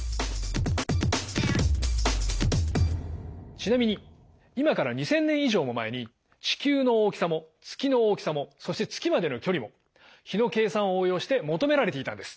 ちなみに今から２，０００年以上も前に地球の大きさも月の大きさもそして月までの距離も比の計算を応用して求められていたんです。